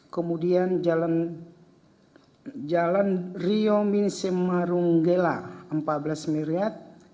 kemudian jalan rio minsemarung gela empat belas miliar